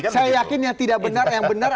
saya yakin yang tidak benar yang benar